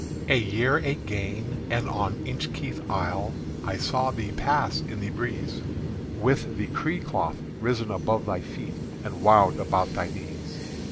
"A year again, and on Inchkeith Isle I saw thee pass in the breeze, With the cerecloth risen above thy feet And wound about thy knees.